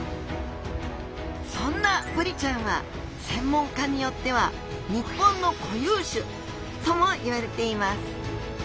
そんなブリちゃんは専門家によっては日本の固有種ともいわれています